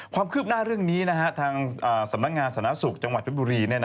ความคืบหน้าเรื่องนี้ทางสำนักงานสาธารณสุขจังหวัดเพชรบุรี